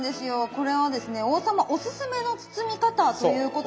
これはですね王様おすすめの包み方ということで。